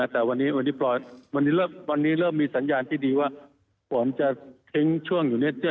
แต่วันนี้เริ่มมีสัญญาณที่ดีว่าผมจะทิ้งช่วงอยู่ใน